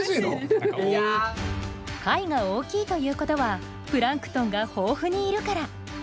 貝が大きいということはプランクトンが豊富にいるから。